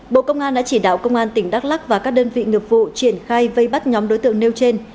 bộ công an đã chỉ đạo công an tỉnh đắk lắc và các đơn vị nghiệp vụ triển khai vây bắt nhóm đối tượng nêu trên